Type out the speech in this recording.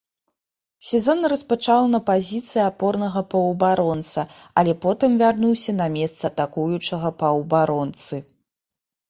Сезон распачаў на пазіцыі апорнага паўабаронцы, але потым вярнуўся на месца атакуючага паўабаронцы.